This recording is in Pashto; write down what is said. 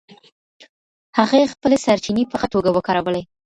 هغې خپلې سرچینې په ښه توګه وکارولې.